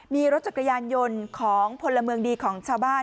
มีรถจักรยานยนต์ของพลเมืองดีของชาวบ้าน